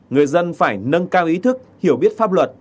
người dân phải nâng cao ý thức hiểu biết pháp luật